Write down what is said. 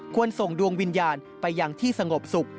ส่งดวงวิญญาณไปอย่างที่สงบสุข